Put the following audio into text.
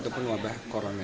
itu pun wabah corona